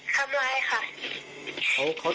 เดี๋ยวหนูจะหาให้